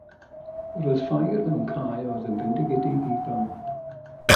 Yr oedd ffair mewn cae a oedd yn fendigedig i bawb